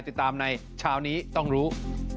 ติดตามในเช้านี้ต้องรู้